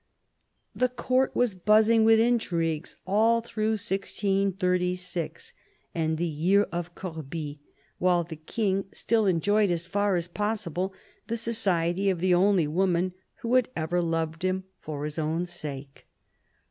The Court was buzzing with intrigues all through 1636, the " year of Corbie," while the King still enjoyed, as far as possible, the society of the only woman who had ever loved him for his own sake.